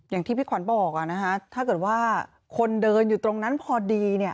อย่างที่พี่ขวัญบอกถ้าเกิดว่าคนเดินอยู่ตรงนั้นพอดี